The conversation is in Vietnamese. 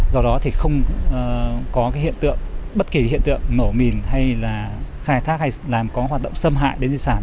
do đó thì không có hiện tượng bất kỳ hiện tượng nổ mìn hay là khai thác hay làm có hoạt động xâm hại đến di sản